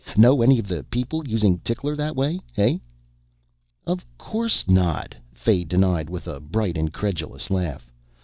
Know any of the people using Tickler that way, hey?" "Of course not," Fay denied with a bright incredulous laugh.